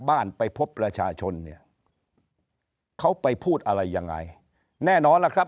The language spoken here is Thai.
ไปพบประชาชนเนี่ยเขาไปพูดอะไรยังไงแน่นอนล่ะครับ